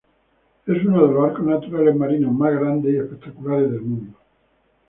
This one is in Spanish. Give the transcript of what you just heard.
Es uno de los arcos naturales marinos más grandes y espectaculares del mundo.